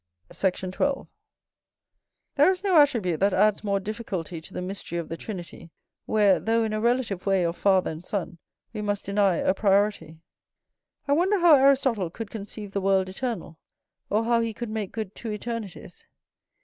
Sect. 12. There is no attribute that adds more difficulty to the mystery of the Trinity, where, though in a relative way of Father and Son, we must deny a priority. I wonder how Aristotle could conceive the world eternal, or how he could make good two eternities.